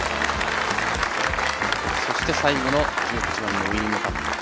そして最後の１８番のウイニングパット。